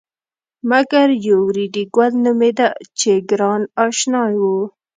مګر یو ریډي ګل نومېده چې ګران اشنای و.